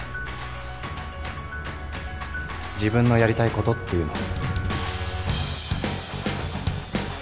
自分のやりたいことっていうのを。